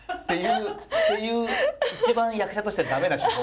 っていう一番役者としては駄目な手法。